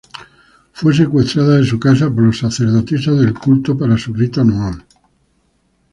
Fue secuestrada de su casa por las sacerdotisas del culto para su rito anual.